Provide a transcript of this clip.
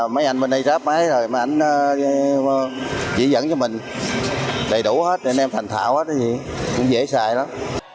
mấy anh bên đây ráp máy rồi mấy anh chỉ dẫn cho mình đầy đủ hết đem thành thạo hết cũng dễ xài lắm